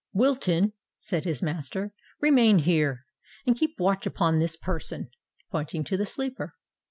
"Wilton," said his master, "remain here, and keep watch upon this person,"—pointing to the sleeper.